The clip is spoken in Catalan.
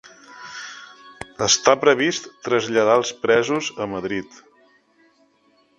Està previst traslladar els presos a Madrid